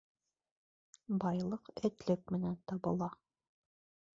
Байлыҡ этлек менән табыла.